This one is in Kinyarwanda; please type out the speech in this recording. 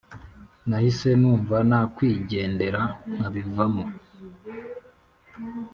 nahise numva nakwigendera nkabivamo